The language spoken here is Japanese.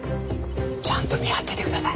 ちゃんと見張っててください。